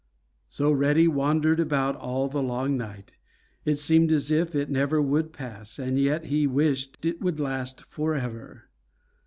So Reddy wandered about all the long night. It seemed as if it never would pass, and yet he wished it would last forever.